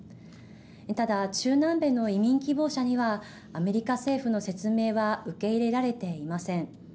ただ、中南米の移民希望者にはアメリカ政府の説明は受け入れられていません。